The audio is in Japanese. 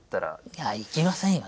いや行きませんよね。